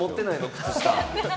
靴下。